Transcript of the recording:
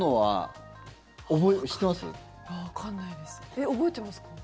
えっ、覚えてますか？